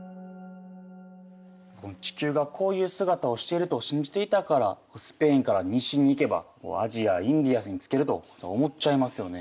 地球がこういう姿をしていると信じていたからスペインから西に行けばアジアインディアスに着けると思っちゃいますよね。